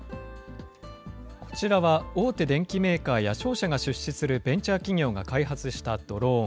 こちらは大手電機メーカーや商社が出資するベンチャー企業が開発したドローン。